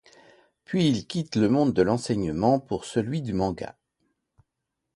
Puis il quitte le monde de l'enseignement pour celui du manga.